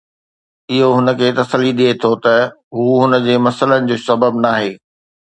اهو هن کي تسلي ڏئي ٿو ته هو هن جي مسئلن جو سبب ناهي.